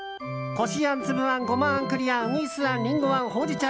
こしあん、つぶあん、ごまあんくりあん、うぐいすあんりんごあん、ほうじ茶